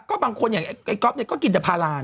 ก็บางคนอย่างไอ้ก๊อฟเนี่ยก็กินแต่พาราน